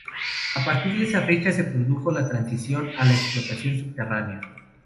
A partir de esa fecha, se produjo la transición a la explotación subterránea.